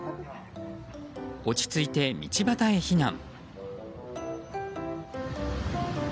落ち着いて道端へ避難。